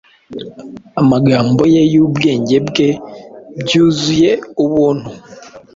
Amagambo ye,y ubwenge bwe bwuzuye Ubuntu